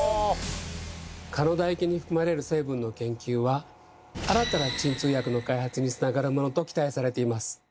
蚊の唾液に含まれる成分の研究は新たな鎮痛薬の開発につながるものと期待されています。